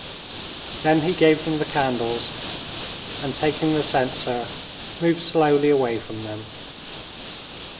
Then he gave them the candles, and taking the censer, moved slowly away from them.